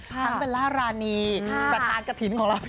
ทั้งเป็นล่ารานีประธานกระถิ่นของเราพี่